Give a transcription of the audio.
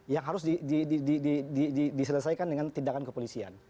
yang harus diselesaikan dengan tindakan kepolisian